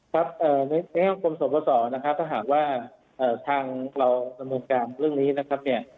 ครับในห้องกรมสอบประสอนะครับถ้าหากว่าทางเราดำเนินการเรื่องนี้นะครับเนี่ย